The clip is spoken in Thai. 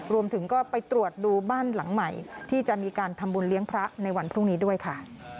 รวมถึงก็ไปตรวจดูบ้านหลังใหม่ที่จะมีการทำบุญเลี้ยงพระในวันพรุ่งนี้ด้วยค่ะ